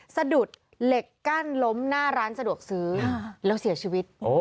สะดุดเหล็กกั้นล้มหน้าร้านสะดวกซื้อแล้วเสียชีวิต